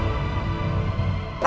tapi masih sulit mak